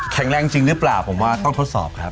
แรงจริงหรือเปล่าผมว่าต้องทดสอบครับ